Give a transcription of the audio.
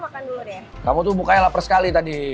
sayang aduh kamu tuh bukanya lapar sekali tadi